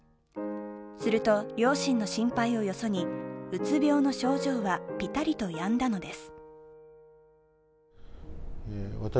すると、両親の心配をよそに、うつ病の症状はぴたりとやんだのです。